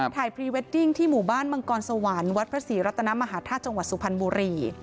พรีเวดดิ้งที่หมู่บ้านมังกรสวรรค์วัดพระศรีรัตนมหาธาตุจังหวัดสุพรรณบุรี